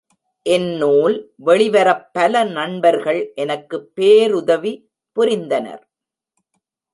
இந்நூல் வெளிவரப் பல நண்பர்கள் எனக்குப் பேருதவி புரிந்தனர்.